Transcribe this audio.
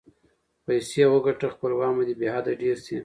پیسې وګټه خپلوان به دې بی حده ډېر سي.